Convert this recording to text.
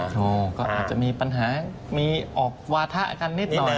โชว์ก็อาจจะมีปัญหามีออกวาทะกันนิดหน่อย